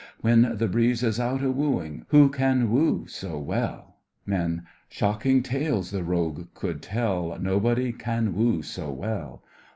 When the breeze is out a wooing, Who can woo so well? MEN: Shocking tales the rogue could tell, Nobody can woo so well.